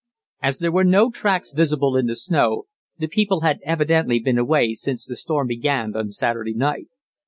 As there were no tracks visible in the snow, the people evidently had been away since the storm began on Saturday night.